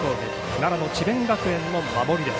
奈良の智弁学園の守りです。